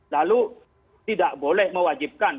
lalu tidak boleh mewajibkan